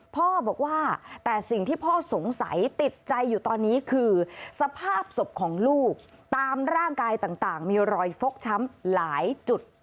พ่อบอกว่าแต่สิ่งที่พ่อสงสัยติดใจอยู่ตอนนี้คือสภาพศพของลูกตามร่างกายต่างมีรอยฟกช้ำหลายจุด